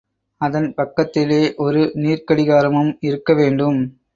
அதன் பக்கத்திலே ஒரு நீர்க்கடிகாரமும் இருக்கவேண்டும்.